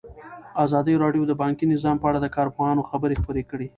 ازادي راډیو د بانکي نظام په اړه د کارپوهانو خبرې خپرې کړي.